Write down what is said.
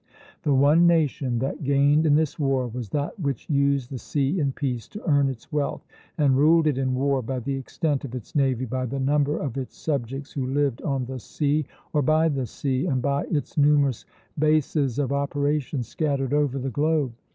The one nation that gained in this war was that which used the sea in peace to earn its wealth, and ruled it in war by the extent of its navy, by the number of its subjects who lived on the sea or by the sea, and by its numerous bases of operations scattered over the globe.